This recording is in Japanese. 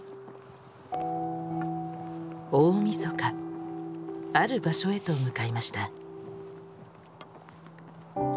大みそかある場所へと向かいました。